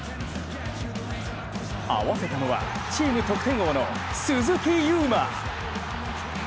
合わせたのはチーム得点王の鈴木優磨。